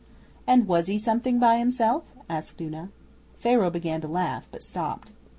'And was he something by himself?' asked Una. Pharaoh began to laugh, but stopped.